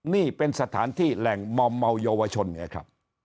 นี่เป็นสถานที่แหล่งมอมเมาเยาวชนไงครับ